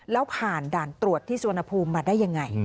แล้วผ่านด่านตรวจที่สุวรรณภูมิมาได้ยังไง